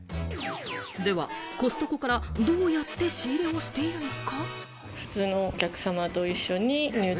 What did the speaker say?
ではコストコからどうやって仕入れをしているのか。